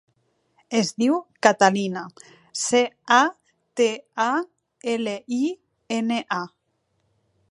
Es diu Catalina: ce, a, te, a, ela, i, ena, a.